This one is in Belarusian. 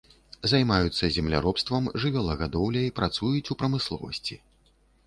Займаюцца земляробствам, жывёлагадоўляй, працуюць у прамысловасці.